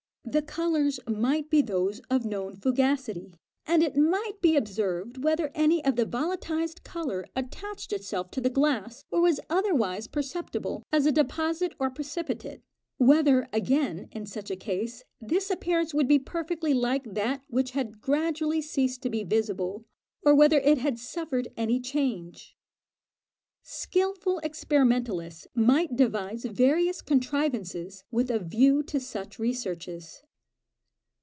The colours might be those of known fugacity, and it might be observed whether any of the volatilized colour attached itself to the glass or was otherwise perceptible as a deposit or precipitate; whether, again, in such a case, this appearance would be perfectly like that which had gradually ceased to be visible, or whether it had suffered any change. Skilful experimentalists might devise various contrivances with a view to such researches.